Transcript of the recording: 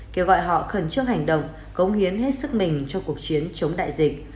kêu gọi họ khẩn trương hành động cống hiến hết sức mình cho cuộc chiến chống đại dịch